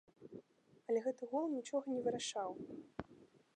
Але гэты гол нічога не вырашаў.